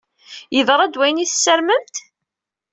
Yeḍṛa-d wayen i tessarmemt?